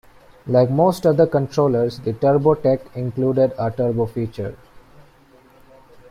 Like most other controllers, the Turbo Tech included a turbo feature.